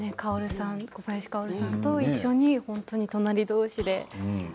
小林薫さんと一緒に隣同士で。